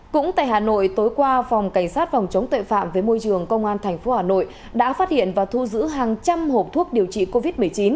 cũng tại hà nội tối qua phòng cảnh sát phòng chống tội phạm với môi trường công an tp hà nội đã phát hiện và thu giữ hàng trăm hộp thuốc điều trị covid một mươi chín